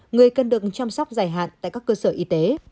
người cần được chăm sóc dài hạn tại các cơ sở y tế